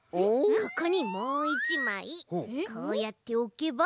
ここにもう１まいこうやっておけば。